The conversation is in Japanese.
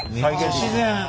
自然！